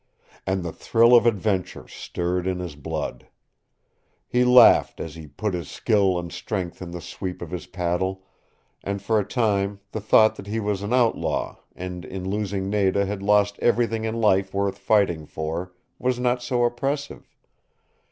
And the thrill of adventure stirred in his blood. He laughed as he put his skill and strength in the sweep of his paddle, and for a time the thought that he was an outlaw, and in losing Nada had lost everything in life worth righting for, was not so oppressive.